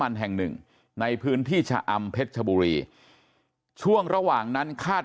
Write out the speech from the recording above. แห่งหนึ่งในพื้นที่ชะอำเพชรชบุรีช่วงระหว่างนั้นคาด